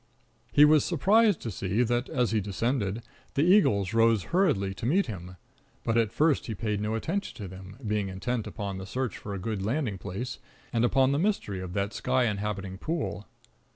He was surprised to see that, as he descended, the eagles rose hurriedly to meet him; but at first he paid no attention to them, being intent upon the search for a good landing place, and upon the mystery of that sky inhabiting pool.